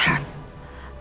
aldebaran udah sehat